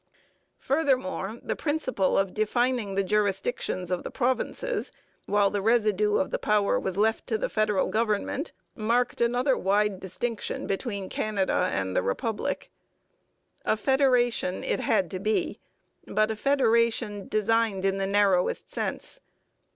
Furthermore, the principle of defining the jurisdictions of the provinces, while the residue of power was left to the federal parliament, marked another wide distinction between Canada and the Republic. A federation it had to be, but a federation designed in the narrowest sense.